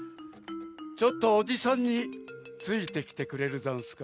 ちょっとおじさんについてきてくれるざんすか？